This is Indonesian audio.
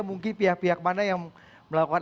mungkin pihak pihak mana yang melakukan